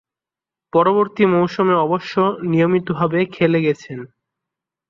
পরবর্তী মৌসুমে অবশ্য নিয়মিতভাবে খেলে গেছেন।